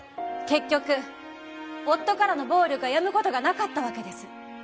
結局夫からの暴力はやむ事がなかったわけです。